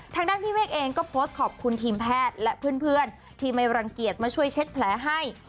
ทางด้านพี่เวกเองก็โพสต์ขอบคุณทีมแพทย์และเพื่อนที่ไม่รังเกียจมาช่วยเช็ดแผลให้